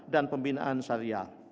dan pembinaan sariah